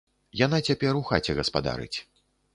Яна цяпер у хаце гаспадарыць.